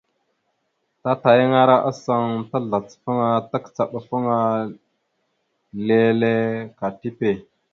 Tatayaŋara asaŋ tazlacafaŋa takəcaɗafaŋa leele ka tipe.